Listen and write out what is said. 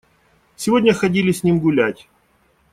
Сегодня ходили с ним гулять.